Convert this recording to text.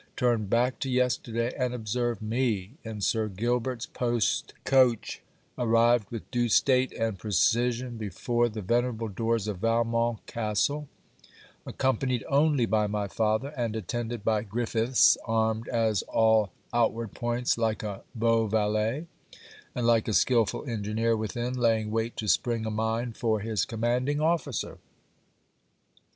Turn back to yesterday; and observe me, in Sir Gilbert's post coach, arrived with due state and precision before the venerable doors of Valmont castle, accompanied only by my father, and attended by Griffiths armed as all outward points like a beau valet, and like a skilful engineer within laying wait to spring a mine for his commanding officer.